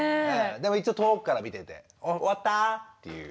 でも一応遠くから見てて「終わった？」っていう。